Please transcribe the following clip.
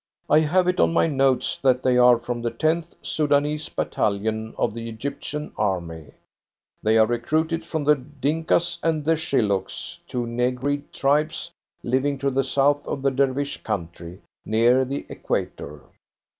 I have it on my notes that they are from the 10th Soudanese battalion of the Egyptian army. They are recruited from the Dinkas and the Shilluks two negroid tribes living to the south of the Dervish country, near the Equator."